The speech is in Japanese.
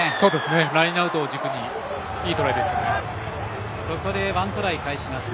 ラインアウトを軸にいいトライですね。